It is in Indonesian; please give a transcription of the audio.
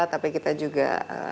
tapi kita juga